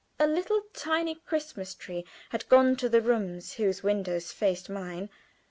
A little tiny Christmas tree had gone to the rooms whose windows faced mine.